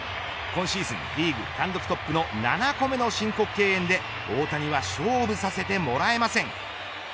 今シーズンリーグ単独トップの７個目の申告敬遠で大谷は勝負させてもらえません。